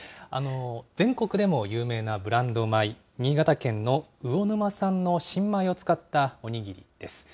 全国でも有名なブランド米、新潟県の魚沼産の新米を使ったおにぎりです。